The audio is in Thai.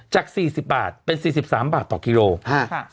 จากสี่สิบบาทเป็นสี่สิบสามบาทต่อกิโลฮะค่ะ